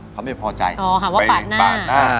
เขาไม่พอใจอ๋อหาว่าปาดหน้าบ้าน